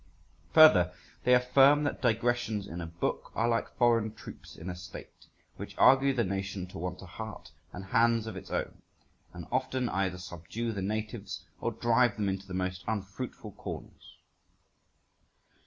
Further, they affirm that digressions in a book are like foreign troops in a state, which argue the nation to want a heart and hands of its own, and often either subdue the natives, or drive them into the most unfruitful corners.